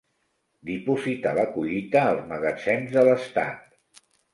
Dipositar la collita als magatzems de l'estat.